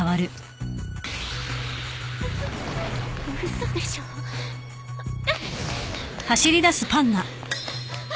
嘘でしょくっ！